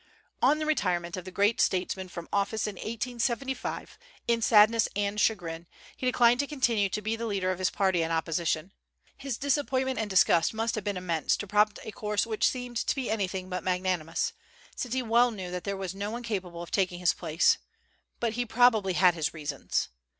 On the retirement of the great statesman from office in 1875, in sadness and chagrin, he declined to continue to be the leader of his party in opposition. His disappointment and disgust must have been immense to prompt a course which seemed to be anything but magnanimous, since he well knew that there was no one capable of taking his place; but he probably had his reasons.